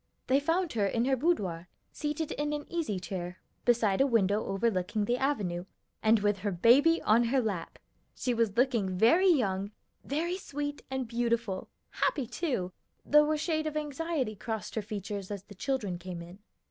They found her in her boudoir, seated in an easy chair, beside a window overlooking the avenue, and with her baby on her lap. She was looking very young, very sweet and beautiful, happy, too, though a shade of anxiety crossed her features as the children came in.